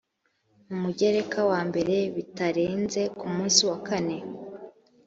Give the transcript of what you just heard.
mu mugereka wa mbere bitarenze ku munsi wa kane